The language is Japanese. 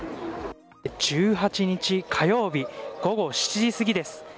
１８日、火曜日午後７時過ぎです。